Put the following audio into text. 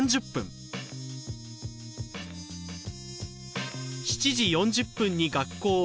７時４０分に学校を出発。